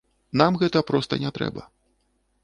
Нам гэта проста не трэба.